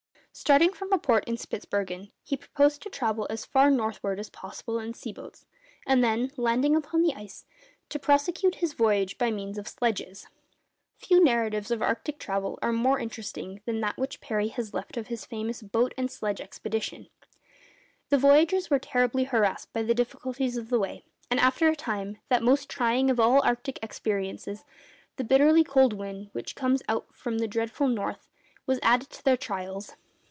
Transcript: Starting from a port in Spitzbergen, he proposed to travel as far northward as possible in sea boats, and then, landing upon the ice, to prosecute his voyage by means of sledges. Few narratives of arctic travel are more interesting than that which Parry has left of this famous 'boat and sledge' expedition. The voyagers were terribly harassed by the difficulties of the way; and after a time, that most trying of all arctic experiences, the bitterly cold wind which comes from out the dreadful north, was added to their trials.